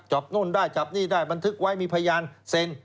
นู่นได้จับนี่ได้บันทึกไว้มีพยานเซ็น